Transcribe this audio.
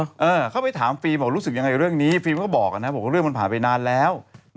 เออเขาไปถามฟิล์มบอกรู้สึกยังไงเรื่องนี้ฟิล์มก็บอกนะบอกว่าเรื่องมันผ่านไปนานแล้ว